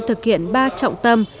thực hiện ba trọng tâm